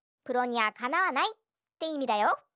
「プロにはかなわない」っていみだよ。